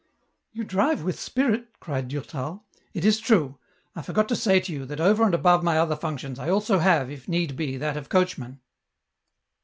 " You drive with spirit," cried Durtal. " It is true ; I forgot to say to you, that over and above my other functions, I also have, if need be, that of coach man."